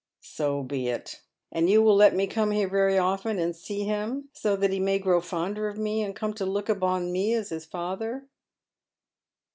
" So be it. And you will let me come here very olten and sea him, so that he may grow fonder of me, and come to look upon me as his father